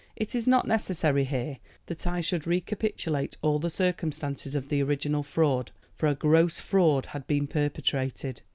It is not necessary here that I should recapitulate all the circumstances of the original fraud, for a gross fraud had been perpetrated.